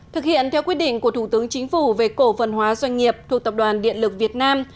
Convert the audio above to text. thực hiện theo quyết định của thủ tướng chính phủ về cổ phần hóa doanh nghiệp thuộc tập đoàn điện lực việt nam